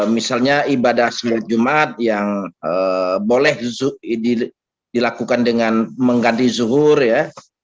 misalnya ibadah sholat jumat yang boleh dilakukan dengan mengganti zuhur ya